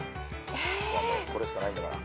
これしかないんだから。